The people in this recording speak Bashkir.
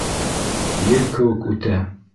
Ел кеүек үтә.